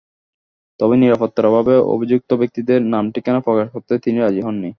তবে নিরাপত্তার অভাবে অভিযুক্ত ব্যক্তিদের নাম-ঠিকানা প্রকাশ করতে তিনি রাজি হননি।